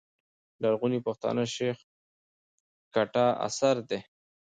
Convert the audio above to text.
لرغوني پښتانه، شېخ کټه اثر دﺉ.